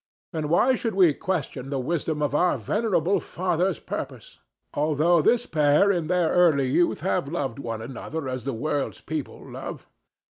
And why should we question the wisdom of our venerable Father's purpose, although this pair in their early youth have loved one another as the world's people love?